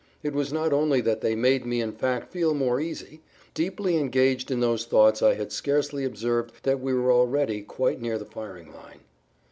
It was not only that they made me in fact feel more easy; deeply engaged in those thoughts I had scarcely observed that we were already quite near the firing line.